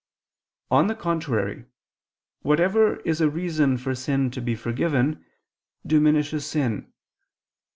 On the contrary, Whatever is a reason for sin to be forgiven, diminishes sin.